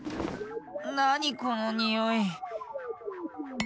なにこのにおい？